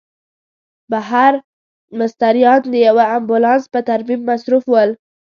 بهر مستریان د یوه امبولانس په ترمیم مصروف ول.